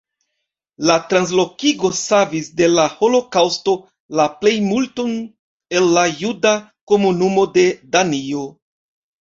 La translokigo savis de la Holokaŭsto la plejmulton el la juda komunumo de Danio.